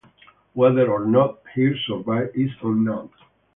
Whether or not he survived is unknown.